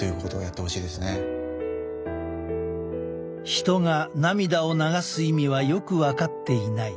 ヒトが涙を流す意味はよく分かっていない。